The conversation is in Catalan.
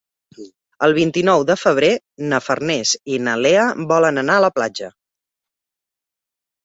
El vint-i-nou de febrer na Farners i na Lea volen anar a la platja.